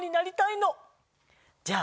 じゃあ。